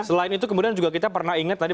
selain itu kemudian kita juga pernah ingat tadi